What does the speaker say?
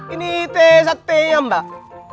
ini teh sate ya mbak